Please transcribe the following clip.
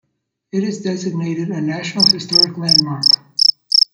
It is designated a National Historic Landmark.